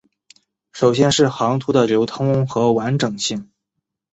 首先是航图的流通和完整性。